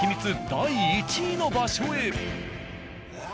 第１位の場所へ。